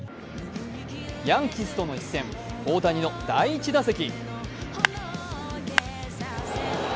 ヤンキースとの一戦、大谷の第１打席。